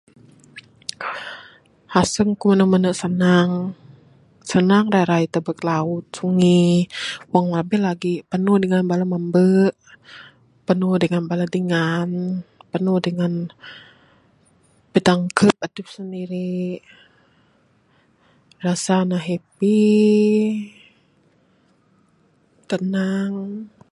Aseng ku ne mene sanang...sanang da raye tubek laut...sungi wang labih lagik panu dangan bala mamba panu dangan bala dingan panu dangan bitangkep adep sendiri...rasa ne happy...tenang.